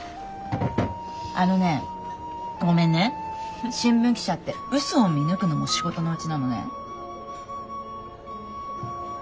あのねごめんね新聞記者ってうそを見抜くのも仕事のうちなのね。